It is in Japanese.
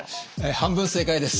半分正解です。